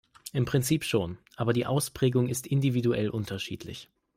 Im Prinzip schon, aber die Ausprägung ist individuell unterschiedlich.